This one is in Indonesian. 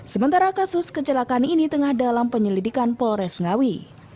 sementara kasus kecelakaan ini tengah dalam penyelidikan polres ngawi